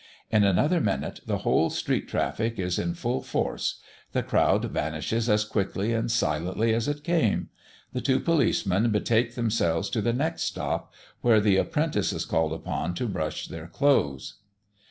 In another minute, the whole street traffic is in full force. The crowd vanishes as quickly and silently as it came. The two policemen betake themselves to the next shop, where the apprentice is called upon to brush their clothes.